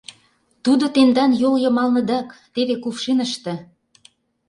— Тудо тендан йол йымалныдак, теве кувшиныште...